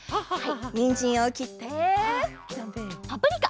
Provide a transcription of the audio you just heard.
にんじんをきってパプリカ！